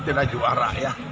tidak juara ya